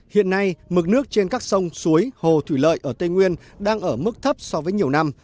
hiện nay mực nước trên các sông suối hồ thủy lợi ở tây nguyên đang ở mức thấp so với nhiều năm